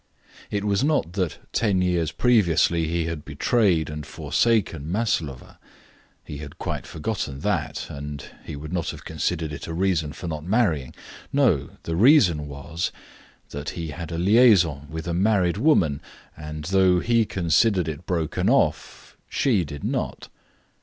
It was not that ten years previously he had betrayed and forsaken Maslova; he had quite forgotten that, and he would not have considered it a reason for not marrying. No! The reason was that he had a liaison with a married woman, and, though he considered it broken off, she did not.